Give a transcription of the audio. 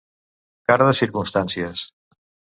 Cara de circumstàncies.